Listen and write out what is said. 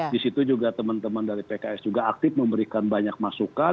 di situ juga teman teman dari pks juga aktif memberikan banyak masukan